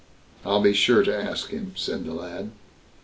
"I'll be sure to ask him", said the lad.